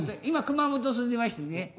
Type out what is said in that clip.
今熊本住んでましてね。